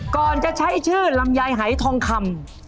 ก่อนจะใช้ชื่อลำไยหายทองคำ